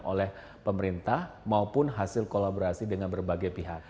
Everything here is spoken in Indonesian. oleh pemerintah maupun hasil kolaborasi dengan berbagai pihak